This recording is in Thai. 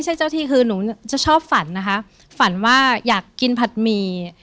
ใช่เจ้าที่คือหนูจะชอบฝันนะคะฝันว่าอยากกินผัดหมี่